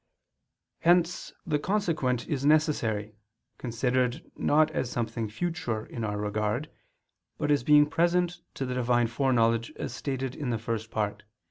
Hence the consequent is necessary, considered, not as something future in our regard, but as being present to the Divine foreknowledge, as stated in the First Part (Q.